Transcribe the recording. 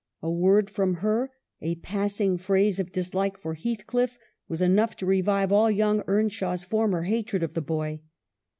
A word from her, a passing phrase of dislike for Heathcliff, was enough to revive all young Earnshaw's former hatred of the boy.